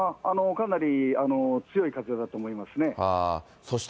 かなり強い風だと思いますね。